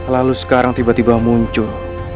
lalu sekarang tiba tiba muncul